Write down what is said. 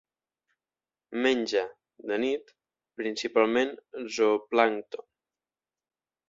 Menja, de nit, principalment zooplàncton.